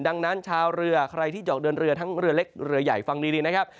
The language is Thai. ดังนั้นชาวเรือใครที่จะออกเดินเรือทั้งเรือเล็กเรือใหญ่ฟังดีนะครับ